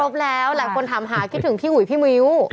พร้อมแล้วหลายคนถามหาคิดถึงพี่หุ่ยพี่มิ้ว